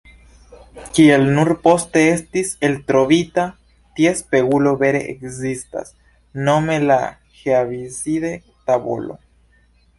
Kiel nur poste estis eltrovita, tia spegulo vere ekzistas, nome la Heaviside-tavolo.